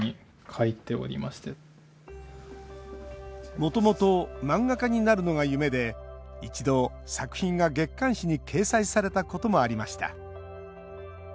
もともと漫画家になるのが夢で一度、作品が月刊誌に掲載されたこともありました。